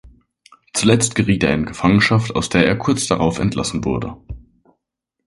Zuletzt geriet er in Gefangenschaft, aus der er kurz darauf entlassen wurde.